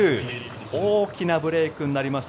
大きなブレークになりました